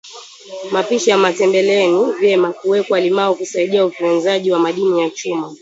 mapishi ya matembeleni vyema kuwekwa limao kusaidia ufyonzaji wa madini ya chuma